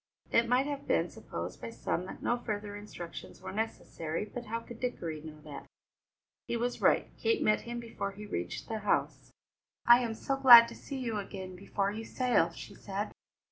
It might have been supposed by some that no further instructions were necessary, but how could Dickory know that? He was right. Kate met him before he reached the house. "I am so glad to see you again before you sail," she said.